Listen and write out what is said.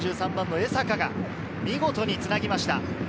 ３３番の江坂が見事につなぎました。